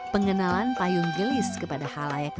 pengenalan payung gelis kepada hal layak ramai